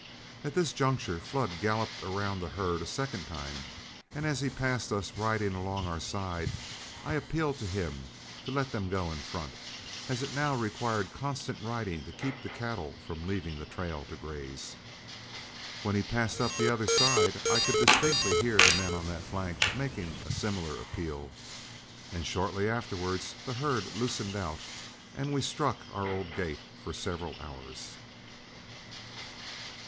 At this juncture Flood galloped around the herd a second time, and as he passed us riding along our side, I appealed to him to let them go in front, as it now required constant riding to keep the cattle from leaving the trail to graze. When he passed up the opposite side, I could distinctly hear the men on that flank making a similar appeal, and shortly afterwards the herd loosened out and we struck our old gait for several hours.